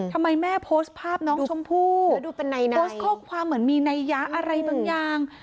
ทำไมแม่โพสต์ภาพน้องชมพู่เหมือนมีนัยยะอะไรบางอย่าง